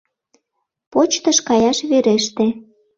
Почтыш каяш вереште.